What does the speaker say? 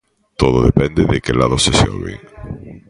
Todo depende de que lado se xogue.